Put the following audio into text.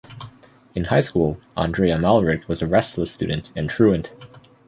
In high school, Andrei Amalrik was a restless student and truant.